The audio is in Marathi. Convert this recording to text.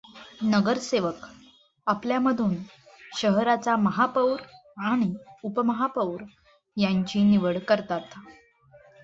नगरसेवक आपल्यामधून शहराचा महापौर आणि उपमहापौर यांची निवड करतात.